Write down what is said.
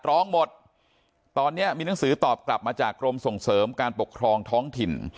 ร้องหมดตอนนี้มีหนังสือตอบกลับมาจากกรมส่งเสริมการปกครองท้องถิ่น